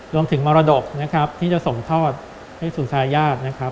รวมถึงมรดกที่จะส่งทอดให้สู่สายาท